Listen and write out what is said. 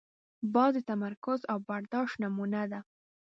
باز د تمرکز او برداشت نمونه ده